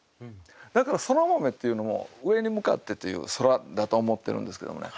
だからそら豆っていうのも上に向かってっていう「空」だと思ってるんですけどもね。